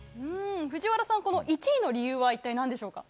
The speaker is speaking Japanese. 藤原さん、この１位の理由は一体なんでしょうか。